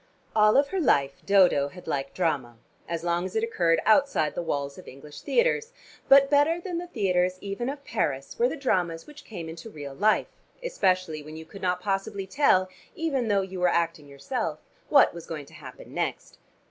All her life Dodo had liked drama, as long as it occurred outside the walls of English theaters, but better than the theaters even of Paris were the dramas which came into real life, especially when you could not possibly tell (even though you were acting yourself) what was going to happen next.